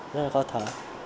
rất là khó thở